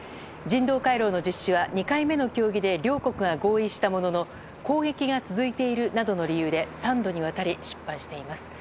人道回廊の実施は２回目の協議で両国が合意したものの攻撃が続いているなどの理由で３度にわたり失敗しています。